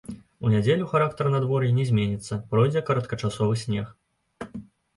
У нядзелю характар надвор'я не зменіцца, пройдзе кароткачасовы снег.